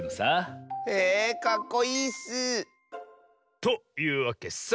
へえかっこいいッス！というわけさ。